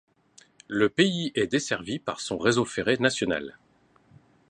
Le pays est desservi par son réseau ferré national.